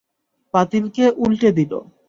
পাতিলকে উল্টে দিল।